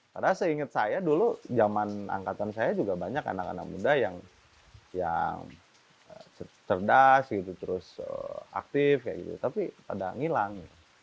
padahal seingat saya dulu zaman angkatan saya juga banyak anak anak muda yang cerdas gitu terus aktif kayak gitu tapi pada ngilang